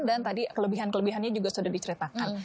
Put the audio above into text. dan tadi kelebihan kelebihannya juga sudah diceritakan